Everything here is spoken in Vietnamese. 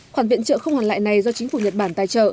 khoản viện trợ không hoàn lại này do chính phủ nhật bản tài trợ